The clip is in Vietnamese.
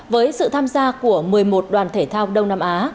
với sự tham gia của một mươi một đoàn thể thao đông nam á